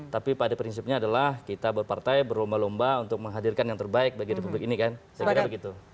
tapi pada prinsipnya adalah kita berpartai berlomba lomba untuk menghadirkan yang terbaik bagi republik ini kan saya kira begitu